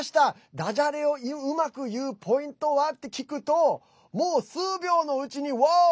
だじゃれをうまく言うポイントは？って聞くともう数秒のうちに、Ｗｏｗ！